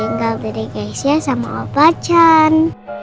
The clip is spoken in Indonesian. dengan benda guysnya sama opa chan